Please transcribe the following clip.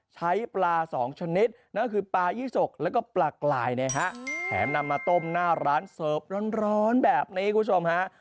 ใช้ปลาสองชนิดนั่นก็คือปลายี่สกแล้วก็ปลากลายนะฮะแถมนำมาต้มหน้าร้านเสิร์ฟร้อนแบบนี้คุณผู้ชมฮะ